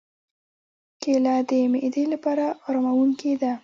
کېله د معدې لپاره آراموونکې ده.